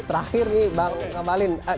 terakhir nih bang ngabalin